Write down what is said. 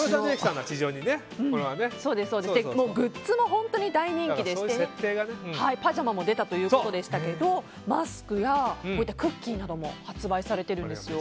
グッズも本当に大人気でしてパジャマも出たということでしたけどもマスクやクッキーなども発売されているんですよ。